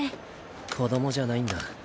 子どもじゃないんだ。